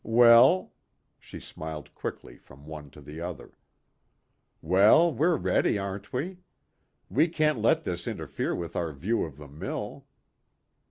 Well?" She smiled quickly from one to the other. "Well, we're ready, aren't we? We can't let this interfere with our view of the mill."